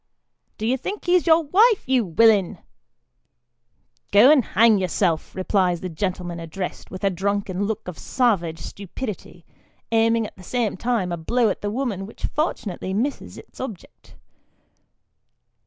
"Do you think he's your wife, you willin ?"" Go and hang yourself !" replies the gentleman addressed, with a drunken look of savage stupidity, aiming at the same time a blow at the woman which fortunately misses its object.